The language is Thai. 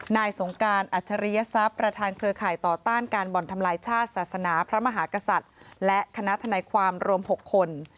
นายสงการอัจฉริยศัพย์ประธานเครือข่ายต่อต้านการบ่อนทำลายชาติศาสนาพระมหากษัตริย์และคณะทนายความรวม๖คน